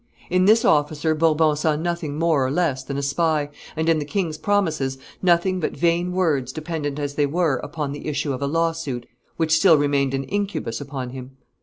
In this officer Bourbon saw nothing more or less than a spy, and in the king's promises nothing but vain words dependent as they were upon the issue of a lawsuit which still remained an incubus upon him.